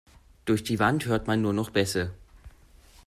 Durch die Wand hört man nur noch Bässe.